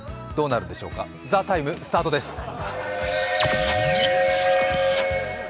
どうなるんでしょうか「ＴＨＥＴＩＭＥ，」スタートです。